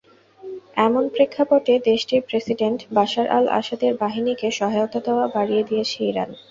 এমন প্রেক্ষাপটে দেশটির প্রেসিডেন্ট বাশার আল-আসাদের বাহিনীকে সহায়তা দেওয়া বাড়িয়ে দিয়েছে ইরান।